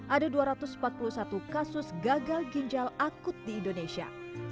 ada dua ratus empat puluh satu kasus gagal ginjal akut di indonesia